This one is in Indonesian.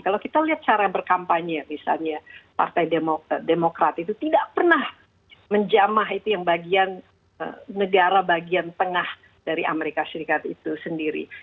kalau kita lihat cara berkampanye misalnya partai demokrat itu tidak pernah menjamah itu yang bagian negara bagian tengah dari amerika serikat itu sendiri